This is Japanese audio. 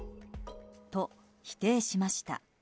と否定しました。